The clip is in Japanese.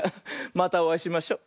またおあいしましょ。